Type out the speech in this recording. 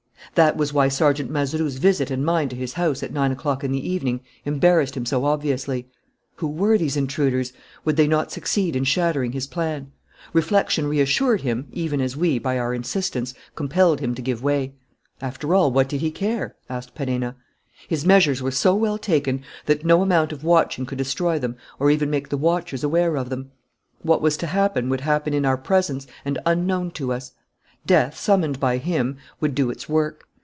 "That was why Sergeant Mazeroux's visit and mine to his house, at nine o'clock in the evening, embarrassed him so obviously. Who were those intruders? Would they not succeed in shattering his plan? Reflection reassured him, even as we, by our insistence, compelled him to give way." "After all, what he did care?" asked Perenna. "His measures were so well taken that no amount of watching could destroy them or even make the watchers aware of them. What was to happen would happen in our presence and unknown to us. Death, summoned by him, would do its work....